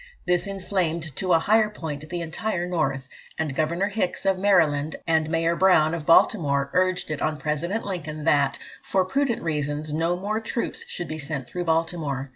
This inflamed to a higher point the entire North; and Governor Hicks, of Maryland, and Mayor Brown, of Baltimore, urged it on President Lincoln that, "for prudential reasons," no more troops should be sent through Baltimore.